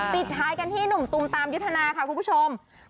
ปิดท้ายกันที่หนุ่มตุมตามยุทชนา